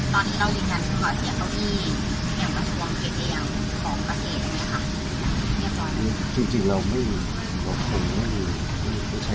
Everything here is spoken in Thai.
ตอนที่เรายืนกันคือเหนื่อยเมืองวัตถวงสิงห์เดียวของประเทศ